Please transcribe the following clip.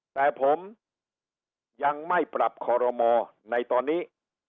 แต่ผมยังไม่ปรับคอรมอในตอนนี้